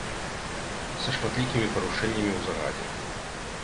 Са шматлікімі парушэннямі ў загадзе.